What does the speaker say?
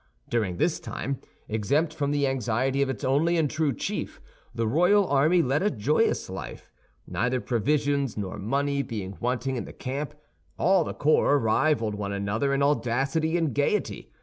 During this time, exempt from the anxiety of its only and true chief, the royal army led a joyous life, neither provisions nor money being wanting in the camp. All the corps rivaled one another in audacity and gaiety.